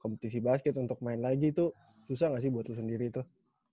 kompetisi basket untuk main lagi tuh susah gak sih buat lo sendiri tuh